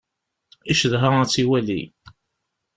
Icedha ad tt-iwali.